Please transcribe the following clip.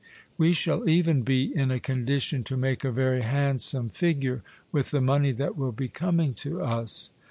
We shall even be in a condition to make a very handsome figure with the money that will be coming to us.